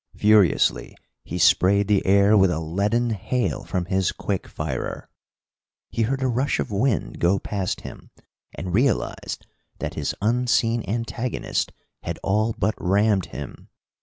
Furiously he sprayed the air with a leaden hail from his quick firer. He heard a rush of wind go past him, and realized that his unseen antagonist had all but rammed him.